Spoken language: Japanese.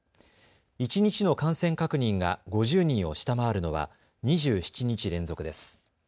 一日の感染確認が５０人を下回るのは２７日連続です。